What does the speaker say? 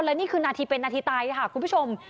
และนี่คือนาทีเป็นนาทีตายค่ะคุณผู้ชม